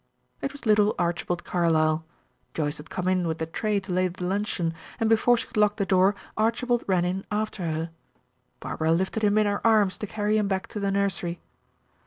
It was little Archibald Carlyle. Joyce had come in with the tray to lay the luncheon, and before she could lock the door, Archibald ran in after her. Barbara lifted him in her arms to carry him back to the nursery.